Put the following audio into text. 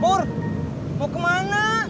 pur mau ke mana